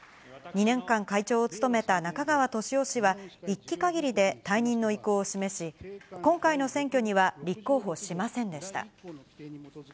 ２年間、会長を務めた中川俊男氏は、１期かぎりで退任の意向を示し、今回の選挙には立候補しませんでした。